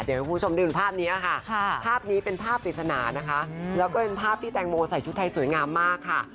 เดี๋ยวให้คุณผู้ชมได้ดูภาพนี้ค่ะภาพนี้เป็นภาพปริศนานะคะแล้วก็เป็นภาพที่แตงโมใส่ชุดไทยสวยงามมากค่ะ